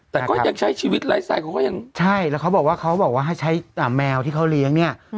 แต่ก็ยังใช้ชีวิตไลฟ์ไซดเขาก็ยังใช่แล้วเขาบอกว่าเขาบอกว่าให้ใช้แมวที่เขาเลี้ยงเนี่ย